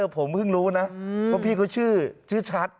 ผมเพิ่งรู้นะว่าพี่เขาชื่อชัด